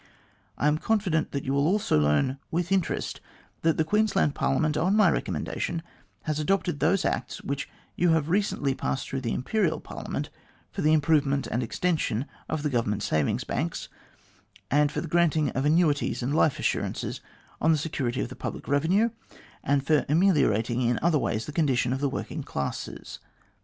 I am confident that you will also learn with interest that the Queensland Parliament, on my recommendation, has adopted those Acts which you have recently passed through the Imperial Parliament for the improvement and the extension of the Government Savings Banks, and for the granting annuities and life assurances on the security of the public revenue, and for ameliorating in other ways the condition of the working classes.